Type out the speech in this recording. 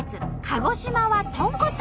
鹿児島は豚骨。